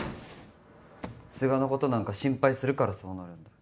都賀のことなんか心配するからそうなるんだ。